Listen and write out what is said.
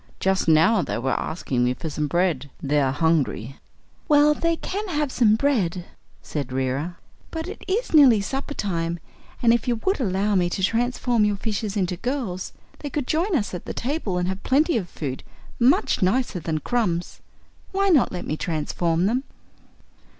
Just now they were asking me for some bread. They are hungry." "Well, they can have some bread," said Reera. "But it is nearly supper time, and if you would allow me to transform your fishes into girls they could join us at the table and have plenty of food much nicer than crumbs. Why not let me transform them?"